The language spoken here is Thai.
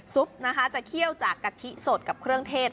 นะคะจะเคี่ยวจากกะทิสดกับเครื่องเทศ